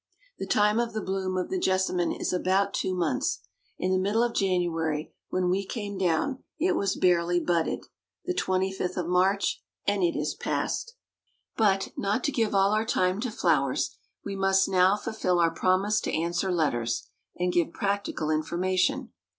The time of the bloom of the jessamine is about two months. In the middle of January, when we came down, it was barely budded: the 25th of March, and it is past. But, not to give all our time to flowers, we must now fulfil our promise to answer letters, and give practical information.